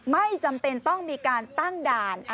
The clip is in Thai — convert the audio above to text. ไม่จำเป็นต้องมีการตั้งด่าน